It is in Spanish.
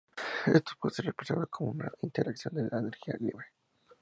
Esto puede ser expresado como una interacción de energía libre.